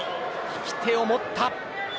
引き手を持った。